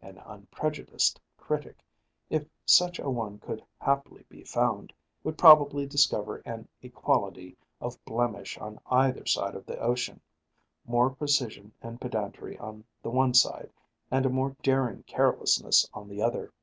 An unprejudiced critic, if such a one could haply be found, would probably discover an equality of blemish on either side of the ocean more precision and pedantry on the one side, and a more daring carelessness on the other.